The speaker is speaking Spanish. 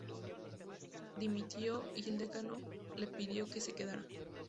Dimitió y el decano le pidió que se quedara.